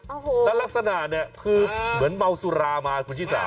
โอ้โหแล้วลักษณะเนี่ยคือเหมือนเมาสุรามาคุณชิสา